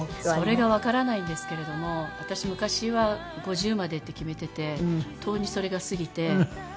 それがわからないんですけれども私昔は５０までって決めててとうにそれが過ぎてもう６４ですから。